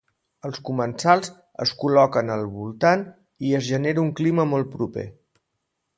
Els comensals es col·loquen al voltant i es genera un clima molt proper.